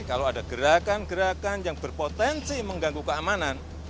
kalau ada gerakan gerakan yang berpotensi mengganggu keamanan